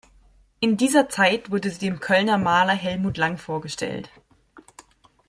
In dieser Zeit wurde sie dem Kölner Maler Helmut Lang vorgestellt.